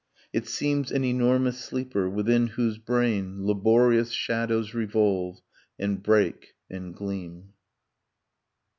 . It seems an enormous sleeper, within whose brain Laborious shadows revolve and break and gleam.